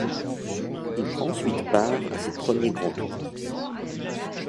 Il prend ensuite part à ses premiers grands tours.